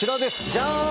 ジャン！